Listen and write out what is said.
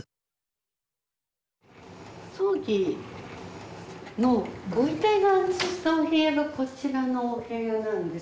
葬儀のご遺体の安置したお部屋がこちらのお部屋なんですよ。